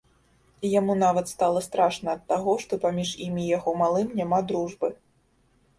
Яму нават стала страшна ад таго, што паміж ім і яго малым няма дружбы.